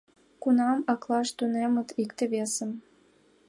Кунам аклаш тунемыт икте-весым?